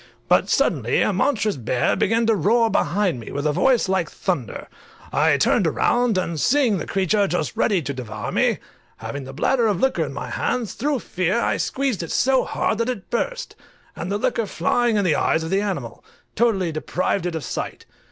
But suddenly a monstrous bear began to roar behind me, with a voice like thunder. I turned round, and seeing the creature just ready to devour me, having the bladder of liquor in my hands, through fear I squeezed it so hard, that it burst, and the liquor flying in the eyes of the animal, totally deprived it of sight.